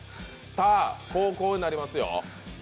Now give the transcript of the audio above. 後攻になりますよ